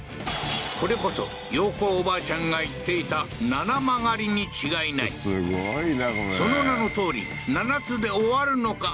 これこそ洋子おばあちゃんが言っていた七曲がりに違いないその名のとおり７つで終わるのか？